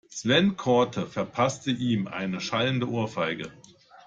Sven Korte verpasste ihm eine schallende Ohrfeige.